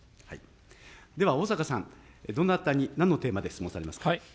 では逢坂さん、どなたに、なんのテーマで質問されますか。